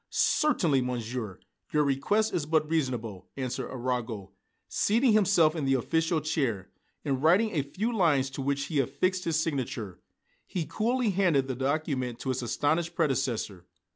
"Certainly, Monsieur, your request is but reasonable," answered Arago, seating himself in the official chair. And writing a few lines to which he affixed his signature, he coolly handed the document to his astonished predecessor.